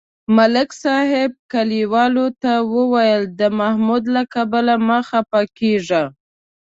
ملک صاحب کلیوالو ته ویل: د محمود له کبله مه خپه کېږئ.